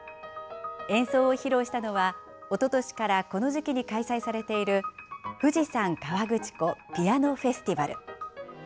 演奏を披露したのは、おととしからこの時期に開催されている、富士山河口湖ピアノフェスティバル。